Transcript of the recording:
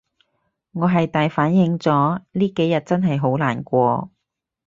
我係大反應咗，呢幾日真係好難過